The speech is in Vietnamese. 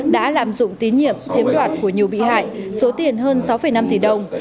đã lạm dụng tín nhiệm chiếm đoạt của nhiều bị hại số tiền hơn sáu năm tỷ đồng